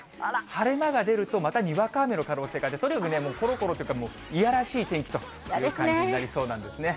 晴れ間が出るとまた、にわか雨の可能性があるので、とにかくもうころころというか、嫌らしい天気という感じになりそうなんですね。